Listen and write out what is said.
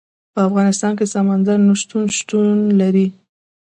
په افغانستان کې سمندر نه شتون شتون لري.